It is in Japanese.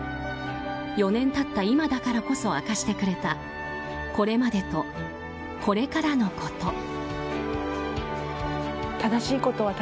４年経った今だからこそ明かしてくれたこれまでと、これからのこと。